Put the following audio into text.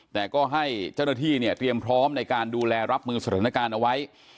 แต่ก็ให้เจ้าหน้าที่เนี่ยเตรียมพร้อมในการดูแลรับมือสถานการณ์เอาไว้